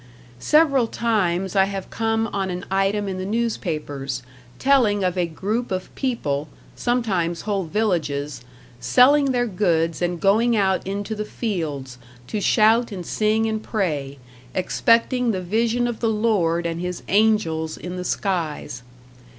Several times I have come on an item in the newspapers, telling of a group of people, sometimes whole villages, selling their goods and going out into the fields to shout and sing and pray, expecting the vision of the Lord and His Angels in the skies.